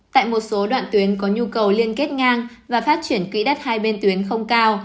tại một số đoạn tuyến có nhu cầu liên kết ngang và phát triển quỹ đất hai bên tuyến không cao